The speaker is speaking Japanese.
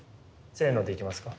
せのでいきますか。